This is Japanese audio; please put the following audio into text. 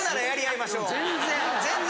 全然。